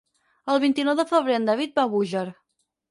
El vint-i-nou de febrer en David va a Búger.